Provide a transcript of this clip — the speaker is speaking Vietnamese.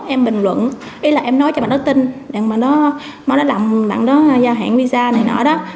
em bình luận ý là em nói cho bạn đó tin bạn đó làm bạn đó giao hạn visa này nọ đó